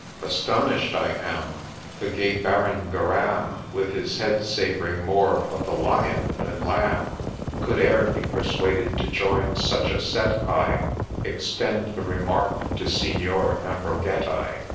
Astonish'd I am The gay Baron Geramb With his head sav'ring more of the Lion than Lamb, Could e'er be persuaded to join such a set — I Extend the remark to Signer Ambrogetti.